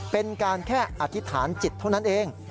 เป็นการแค่อธิษฐานจิตเท่านั้นเอง